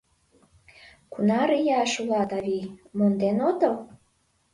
— Кунар ияш улат, авий, монден отыл?